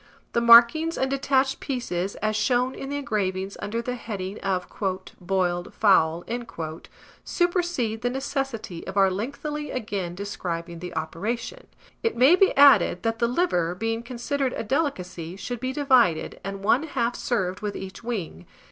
The markings and detached pieces, as shown in the engravings under the heading of "Boiled Fowl," supersede the necessity of our lengthily again describing the operation. It may be added, that the liver, being considered a delicacy, should be divided, and one half served with each wing.